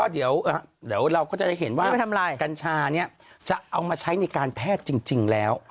เดี๋ยวเราก็จะได้เห็นว่ากัญชานี้จะเอามาใช้ในการแพทย์จริงแล้ว